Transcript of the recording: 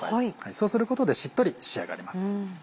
そうすることでしっとり仕上がります。